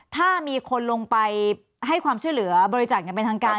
ถ้ามีคนลงไปให้ความเชื่อเหลือบริจาคเป็นทางการ